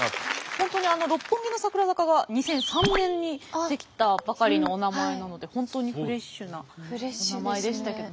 本当に六本木のさくら坂が２００３年にできたばかりのお名前なので本当にフレッシュなお名前でしたけど。